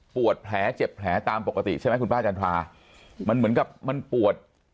แผลเจ็บแผลตามปกติใช่ไหมคุณป้าจันทรามันเหมือนกับมันปวด